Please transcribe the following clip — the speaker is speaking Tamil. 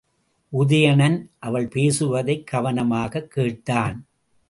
உதயணன் அவள் பேசுவதைக் கவனமாகக் கேட்டான்.